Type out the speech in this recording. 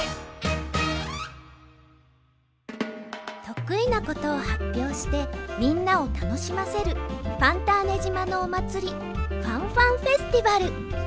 とくいなことをはっぴょうしてみんなをたのしませるファンターネじまのおまつりファンファンフェスティバル。